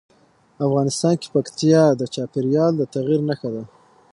افغانستان کې پکتیا د چاپېریال د تغیر نښه ده.